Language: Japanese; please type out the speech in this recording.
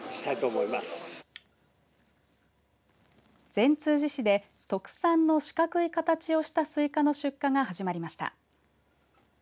善通寺市で特産の四角い形をしたスイカの出荷が始まりました。